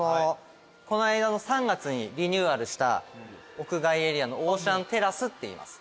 この間の３月にリニューアルした屋外エリアのオーシャンテラスっていいます。